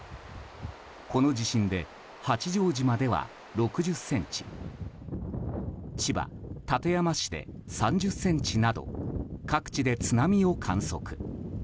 この地震で八丈島では６０ｃｍ千葉・館山市で３０ｃｍなど各地で津波を観測。